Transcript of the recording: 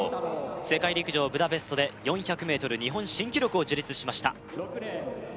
世界陸上ブダペストで４００ｍ日本新記録を樹立しました